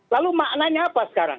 lalu maknanya apa sekarang